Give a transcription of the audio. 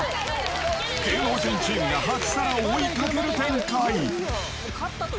芸能人チームが８皿追いかける展開。